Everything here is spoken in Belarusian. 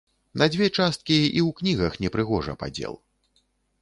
На дзве часткі і ў кнігах не прыгожа падзел.